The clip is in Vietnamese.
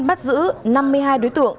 bắt giữ năm mươi hai đối tượng